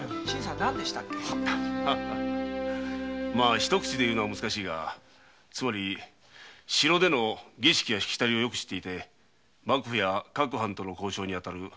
一口で言うのは難しいがつまり城での儀式やシキタリをよく知っていて幕府や各藩との交渉にあたる重要な役目だ。